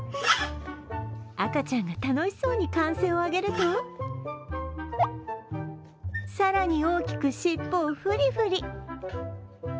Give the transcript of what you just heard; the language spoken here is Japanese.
赤ちゃんが楽しそうに歓声を上げると、更に大きく尻尾をフリフリ。